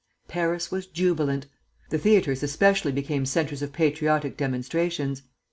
Paris was jubilant. The theatres especially became centres of patriotic demonstrations.